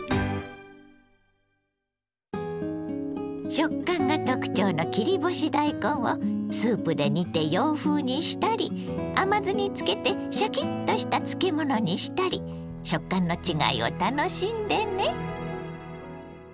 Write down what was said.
食感が特徴の切り干し大根をスープで煮て洋風にしたり甘酢に漬けてシャキッとした漬物にしたり食感の違いを楽しんでね。